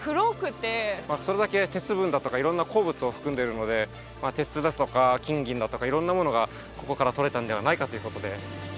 それだけ鉄分だとか色んな鉱物を含んでいるので鉄だとか金銀だとか色んなものがここから採れたんではないかということです